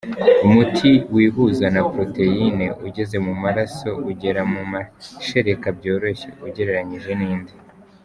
Umuti wihuza na poroteyine ugeze mu maraso ugera mu mashereka byoroshye ugereranyije n’indi.